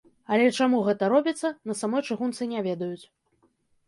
Але чаму гэта робіцца, на самой чыгунцы не ведаюць.